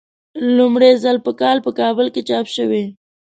لومړی ځل په کال په کابل کې چاپ شوی.